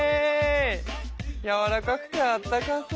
やわらかくてあったかそう。